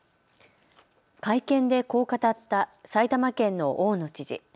会見でこう語った埼玉県の大野知事。